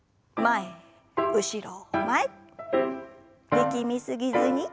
力み過ぎずに。